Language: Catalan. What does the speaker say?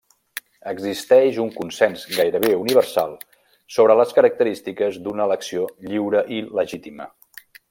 Existeix un consens gairebé universal sobre les característiques d'una elecció lliure i legítima.